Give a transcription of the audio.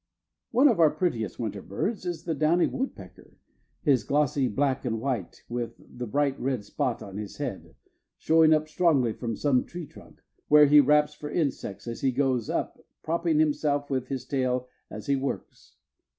One of our prettiest winter birds is the downy woodpecker, his glossy black and white, with the bright red spot on his head, showing up strongly from some tree trunk, where he raps for insects, as he goes up, propping himself with his tail as he works.